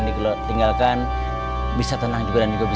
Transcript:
aku akan menganggap